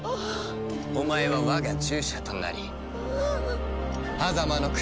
お前は我が従者となり狭間の国